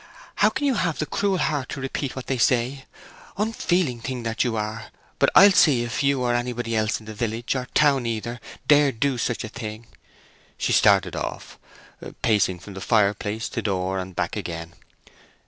How can you have the cruel heart to repeat what they say? Unfeeling thing that you are.... But I'll see if you or anybody else in the village, or town either, dare do such a thing!" She started off, pacing from fireplace to door, and back again.